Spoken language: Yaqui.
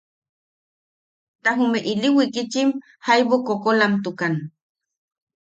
Ta jume ili wikitchim jaibu koʼokolamtukan.